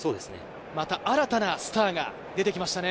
また新たなスターが出てきましたね。